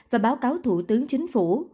và báo cáo thủ tướng chính phủ